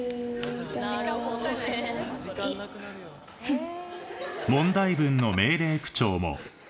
フッ。